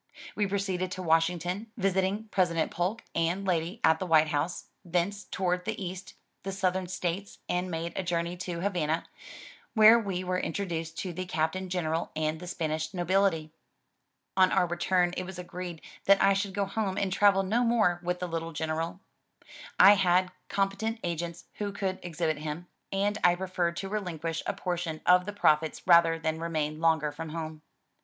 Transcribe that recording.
We proceeded to Washington, visiting President Polk and lady at the White House, thence toured the east, the southern states and made a journey to Havana, where we were introduced to the Captain General and the Spanish nobility. On our return it was agreed that I should 177 MY BOOK HOUSE go home and travel no more with the Uttle general. I had com petent agents who could exhibit him, and I preferred to relinquish a portion of the profits rather than remain longer from home.